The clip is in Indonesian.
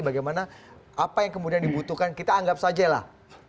bagaimana apa yang kemudian dibutuhkan kita anggap saja lah